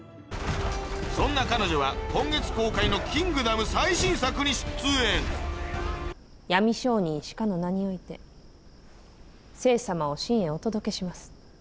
そんな彼女は今月公開の『キングダム』最新作に出演闇商人紫夏の名において政さまを秦へお届けします。